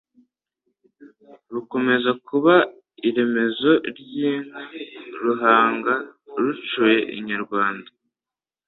Rukomeza kuba iremezo ry' inka, Ruhanga rucyuye inyarwanda !